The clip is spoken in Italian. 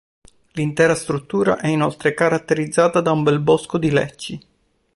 L'intera struttura è inoltre caratterizzata da un bel bosco di lecci.